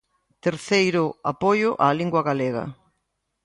Terceiro, apoio á lingua galega.